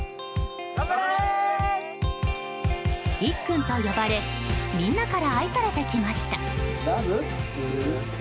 いっくんと呼ばれみんなから愛されてきました。